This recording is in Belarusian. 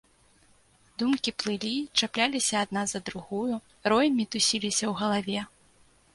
Думкі плылі, чапляліся адна за другую, роем мітусіліся ў галаве.